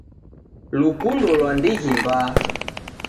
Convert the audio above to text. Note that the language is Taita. Lukundo lwa ndighi mbaa